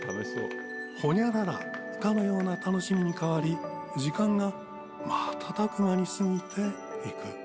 ホニャララかのような楽しみに変わり、時間が瞬く間に過ぎていく。